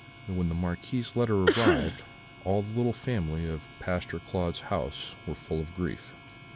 "When the Marquis's letter arrived, all the little family in the Pastor Claude's house were full of grief.